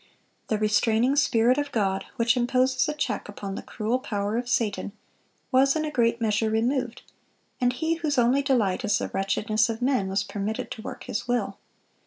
The restraining Spirit of God, which imposes a check upon the cruel power of Satan, was in a great measure removed, and he whose only delight is the wretchedness of men, was permitted to work his will.